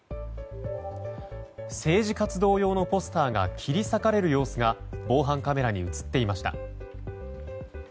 政治活動用のポスターが切り裂かれる様子が防犯カメラに映っていました。